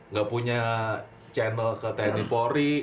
nggak punya channel ke tni polri